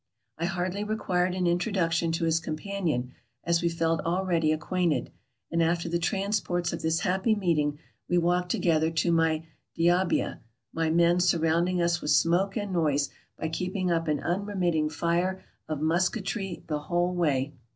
I hardly required an introduc tion to his companion, as we felt already acquainted, and after the transports of this happy meeting v/e walked to gether to my diahbiah ; my men surrounding us with smoke and noise by keeping up an unremitting fire of musketry the whole way.